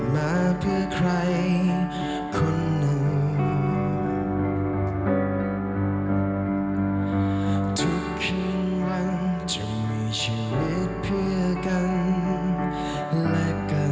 มีอีกหลายคนเชื่อในสิ่งเหล่านี้